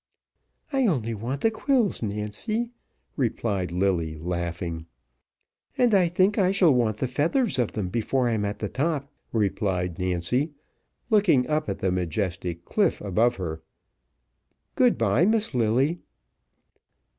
"I only want the quills, Nancy," replied Lilly, laughing. "And I think I shall want the feathers of them before I'm at the top," replied Nancy, looking up at the majestic cliff above her. "Good bye, Miss Lilly."